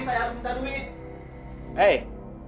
saya harus minta duit